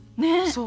そう。